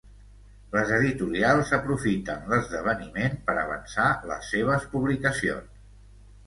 Les editorials aprofiten l’esdeveniment per avançar les seves publicacions.